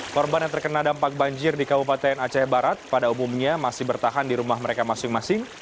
korban yang terkena dampak banjir di kabupaten aceh barat pada umumnya masih bertahan di rumah mereka masing masing